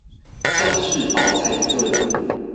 將士飽餐一頓